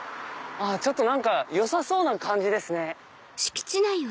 ちょっと何かよさそうな感じですね。